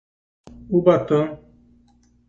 Ubatã